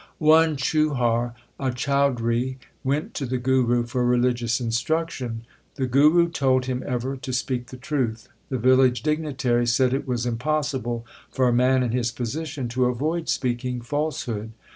One Chuhar, a chaudhri, went to the Guru for religious instruction. The Guru told him ever to speak the truth. The village dignitary said it was impossible for a man in his position to avoid speaking falsehood.